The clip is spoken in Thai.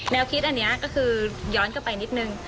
คิดอันนี้ก็คือย้อนกลับไปนิดนึง